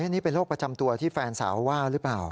นี่เป็นโรคประจำตัวที่แฟนสาวว่าหรือเปล่า